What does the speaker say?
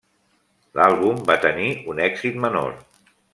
L'àlbum va tenir un èxit menor.